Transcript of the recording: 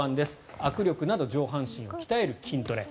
握力など上半身を鍛える筋トレ。